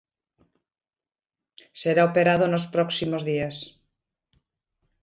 Será operado nos próximos días.